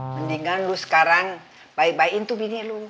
mendingan lu sekarang bayi bayin tuh bini lu